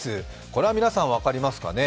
これは皆さん、分かりますかね。